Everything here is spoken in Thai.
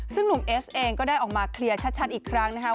ซึ่งหนุ่มเอสเองก็ได้ออกมาเคลียร์ชัดอีกครั้งนะคะ